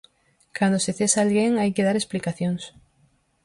Cando se cesa alguén hai que dar explicacións.